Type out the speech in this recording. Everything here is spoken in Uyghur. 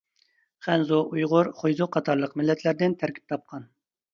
خەنزۇ، ئۇيغۇر، خۇيزۇ قاتارلىق مىللەتلەردىن تەركىب تاپقان.